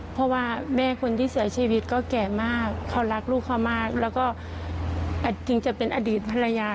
เพราะว่าแม่คนที่เสียชีวิตก็แก่มากเขารักลูกเขามากแล้วก็ถึงจะเป็นอดีตภรรยา